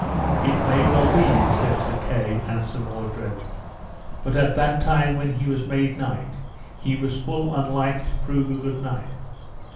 It may well be, said Sir Kay and Sir Mordred, but at that time when he was made knight he was full unlike to prove a good knight.